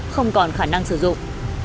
không còn khả năng sử dụng